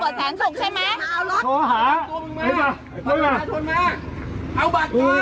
มันจะรออุ่นไม่แล้ว